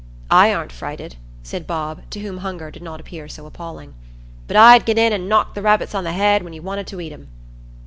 "I aren't frighted," said Bob, to whom hunger did not appear so appalling. "But I'd get in an' knock the rabbits on th' head when you wanted to eat 'em."